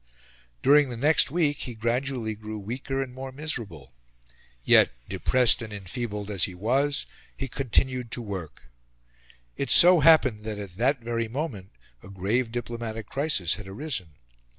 During the next week he gradually grew weaker and more miserable. Yet, depressed and enfeebled as he was, he continued to work. It so happened that at that very moment a grave diplomatic crisis had arisen.